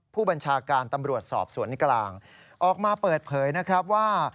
ผู้บัญชาการตำรวจสอบสวนกลางออกมาเปิดเผยนะครับว่า